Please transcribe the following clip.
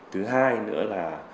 thứ hai nữa là